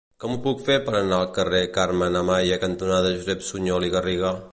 Com ho puc fer per anar al carrer Carmen Amaya cantonada Josep Sunyol i Garriga?